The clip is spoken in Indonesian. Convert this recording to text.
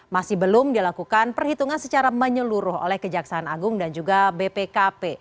masih belum dilakukan perhitungan secara menyeluruh oleh kejaksaan agung dan juga bpkp